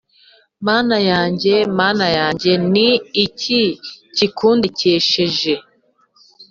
Mana yanjye Mana yanjye Ni iki kikundekesheje